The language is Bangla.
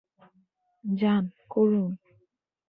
যান, করুন।